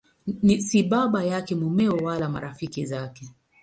Si baba yake, mumewe wala marafiki zake.